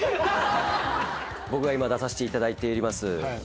僕が今出させていただいております。